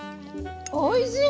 おいしい！